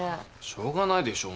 しょうがないでしょ。